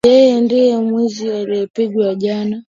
Yeye ndiye mwizi aliyepigwa jana.